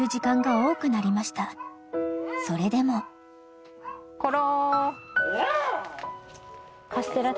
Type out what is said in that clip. ［それでも］コロ。